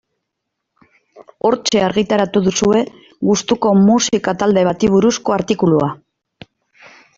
Hortxe argitaratu duzue gustuko musika talde bati buruzko artikulua.